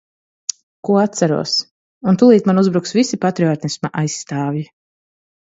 Ko atceros... Un tūlīt man uzbruks visi patriotisma aizstāvji.